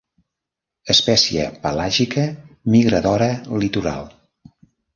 Espècie pelàgica migradora litoral.